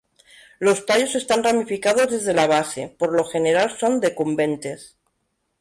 Los tallos están ramificados desde la base, por lo general, son decumbentes.